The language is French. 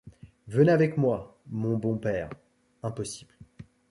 Venez avec moi, mon bon pèreImpossible.